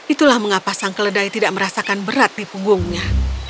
itulah mengapa sang keledai tidak merasakan berat di punggungnya